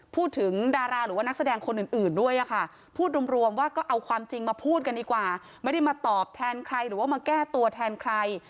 พูดถึงดาราหรือว่านักแสดงคนอื่นด้วยค่ะพูดรวมว่าก็เอาความจริงมาพูดกันดีกว่าไม่ได้มาตอบแทนใครหรือว่ามาแก้ตัวแทนใคร